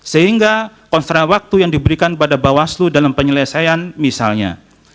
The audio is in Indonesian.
sehingga kontra waktu yang diberikan kepada bawaslu dalam penyelesaian misalnya